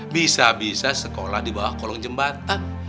bisa bisa sekolah di bawah kolong jembatan